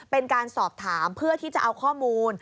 เป็นการสอบถามเพื่อที่จะเอาข้อมูล